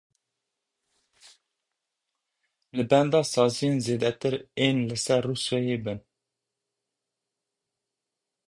Li benda sizayên zêdetir ên li ser Rûsyayê bin.